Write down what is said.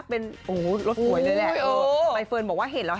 โมงอยู่เลยลงมา